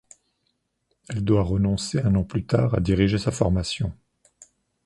Elle doit renoncer un an plus tard à diriger sa formation.